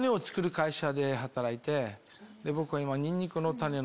僕は今。